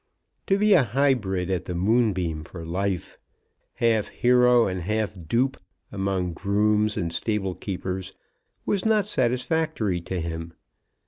To be a hybrid at the Moonbeam for life, half hero and half dupe, among grooms and stable keepers, was not satisfactory to him.